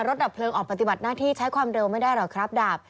ดับเพลิงออกปฏิบัติหน้าที่ใช้ความเร็วไม่ได้หรอกครับดาบ